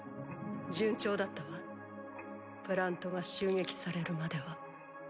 順調だったわプラントが襲撃されるまでは。